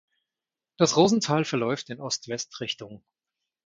Das Rosental verläuft in Ost-West-Richtung.